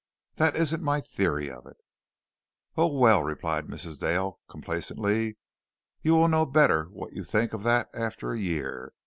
"That isn't my theory of it." "Oh, well," replied Mrs. Dale complaisantly, "you will know better what to think of that after a year.